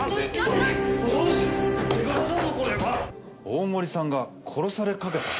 大森さんが殺されかけた？